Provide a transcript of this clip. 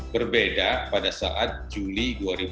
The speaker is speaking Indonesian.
berbeda pada saat juli dua ribu dua puluh